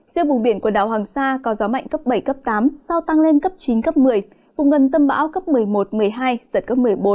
riêng vùng biển quần đảo hoàng sa có gió mạnh cấp bảy tám sau tăng lên cấp chín một mươi vùng gần tâm bão cấp một mươi một một mươi hai sợi trên cấp một mươi bốn